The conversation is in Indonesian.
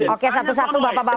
oke satu satu bapak bapak